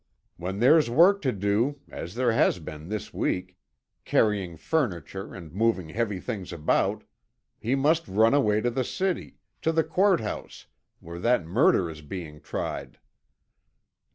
When there's work to do, as there has been this week, carrying furniture and moving heavy things about, he must run away to the city, to the court house where that murderer is being tried.